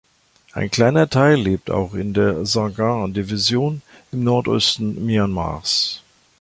Ein kleiner Teil lebt auch in der "Sagaing-Division" im Nordosten Myanmars.